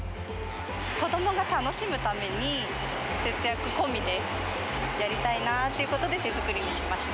子どもが楽しむために、節約込みでやりたいなっていうことで手作りにしました。